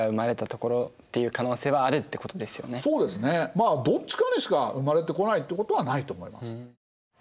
まあどっちかにしか生まれてこないってことはないと思います。